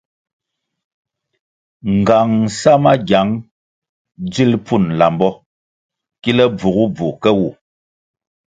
Ngang sa magiang dzil pfun lambo kile bvugubvu ke wu.